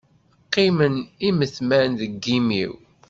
Qqimen imetman deg imi-w.